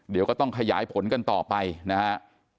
เดี๋ยวก็ต้องขยายผลกันต่อไปนะฮะ